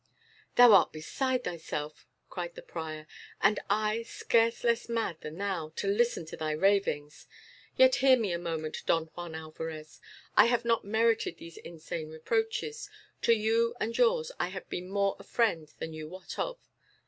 "Thou art beside thyself," cried the prior; "and I, scarce less mad than thou, to listen to thy ravings. Yet hear me a moment, Don Juan Alvarez. I have not merited these insane reproaches. To you and yours I have been more a friend than you wot of."